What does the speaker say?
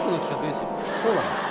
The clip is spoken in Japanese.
そうなんですか？